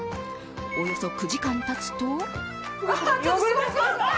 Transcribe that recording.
およそ９時間たつと。